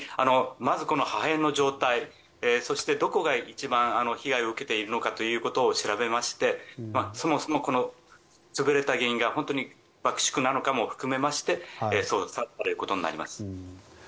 まずこの破片の状態そして、どこが一番被害を受けているのかということを調べまして、そもそもこの潰れた原因が本当に爆縮なのかも含めまして捜査ということになります。